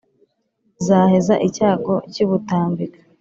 zaheza icyago cy'i butambika